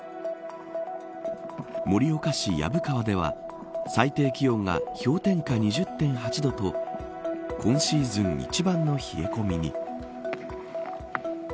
盛岡市薮川では最低気温が氷点下２０．８度と今シーズン一番の冷え込みに。